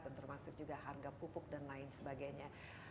dan termasuk juga harga pupuk dan lain sebagainya